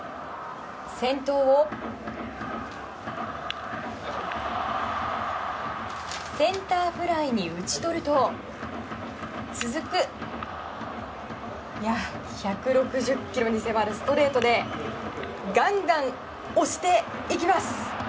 先頭をセンターフライに打ち取ると続く１６０キロに迫るストレートでガンガン押していきます！